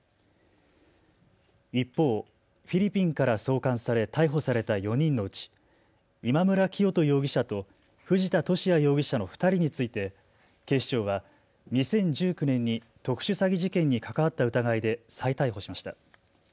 一方、フィリピンから送還され逮捕された４人のうち今村磨人容疑者と藤田聖也容疑者の２人について警視庁は２０１９年に特殊詐欺事件に関わった疑いで再逮捕しました。